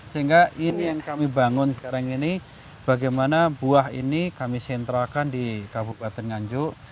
sehingga ini yang kami bangun sekarang ini bagaimana buah ini kami sentralkan di kabupaten nganjuk